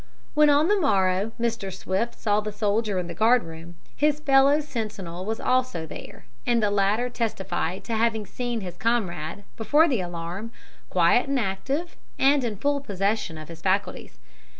When on the morrow Mr. Swifte saw the soldier in the guard room, his fellow sentinel was also there, and the latter testified to having seen his comrade, before the alarm, quiet and active, and in full possession of his faculties.